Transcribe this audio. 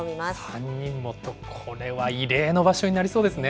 ３人もと、これは異例の場所になりそうですね。